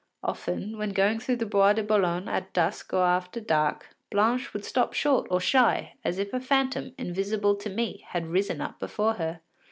Often, when going through the Bois de Boulogne at dusk or after dark, Blanche would stop short or shy, as if a phantom, invisible to me, had risen up before her.